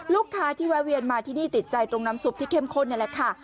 ลูกค้าที่แวะเวียนมาที่นี่ติดใจตรงน้ำซุปที่เข้มข้นนี่แหละค่ะ